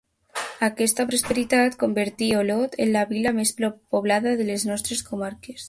Aquesta prosperitat convertí Olot en la vila més poblada de les nostres comarques.